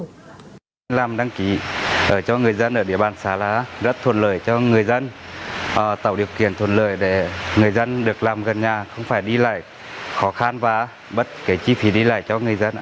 việc làm đăng ký cho người dân ở địa bàn xà lá rất thuận lợi cho người dân tạo điều kiện thuận lợi để người dân được làm gần nhà không phải đi lại khó khăn và bất cái chi phí đi lại cho người dân